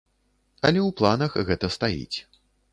Але ў планах гэта стаіць.